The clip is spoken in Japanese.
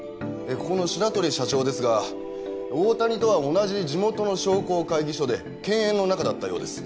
ここの白鳥社長ですが大谷とは同じ地元の商工会議所で犬猿の仲だったようです。